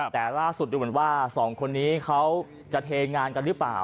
แต่ล่าสุดดูเหมือนว่าสองคนนี้เขาจะเทงานกันหรือเปล่า